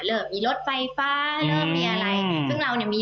เริ่มมีรถไฟฟ้าเริ่มมีอะไร